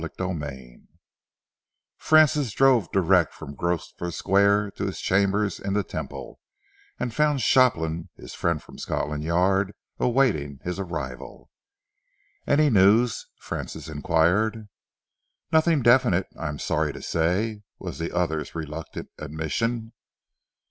CHAPTER XX Francis drove direct from Grosvenor Square to his chambers in the Temple, and found Shopland, his friend from Scotland Yard, awaiting his arrival. "Any news?" Francis enquired. "Nothing definite, I am sorry, to say," was the other's reluctant admission.